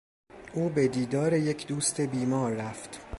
او به دیدار یک دوست بیمار رفت.